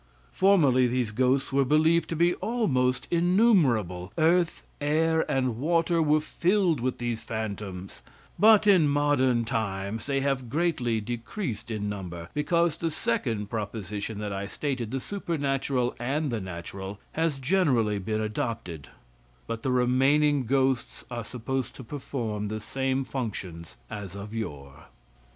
Formerly these ghosts were believed to be almost innumerable. Earth, air and water were filled with these phantoms, but in modern times they have greatly decreased in number, because the second proposition that I stated, the supernatural and the natural, has generally been adopted, but the remaining ghosts are supposed to perform the same functions as of yore.